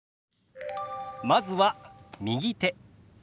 まずは「右手」。